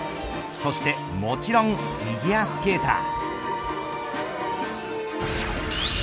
そしてもちろんフィギュアスケーター。